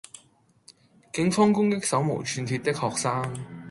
警方攻擊手無寸鐵的學生